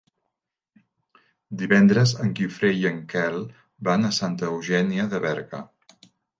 Divendres en Guifré i en Quel van a Santa Eugènia de Berga.